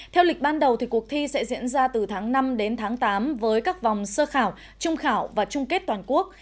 theo lịch ban đầu cuộc thi sẽ diễn ra từ tháng năm đến tháng tám với các vòng sơ khảo trung khảo và trung kết toàn quốc